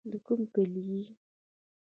د کوم کلي يې.